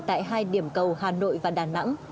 tại hai điểm cầu hà nội và đà nẵng